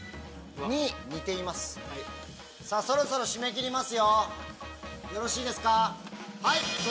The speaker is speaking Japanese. そろそろ締め切りますよよろしいですか？